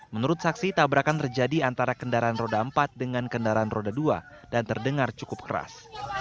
menurut saksi tabrakan terjadi antara kendaraan roda empat dengan kendaraan roda dua dan terdengar cukup keras